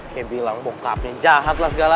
kayak bilang bongkarnya jahat lah segala